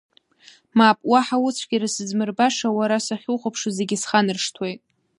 Мап, уаҳа уцәгьара сызмырбаша, уара сахьухәаԥшуа зегьы сханаршҭуеит…